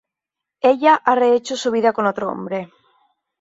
Ella ha rehecho su vida con otro hombre.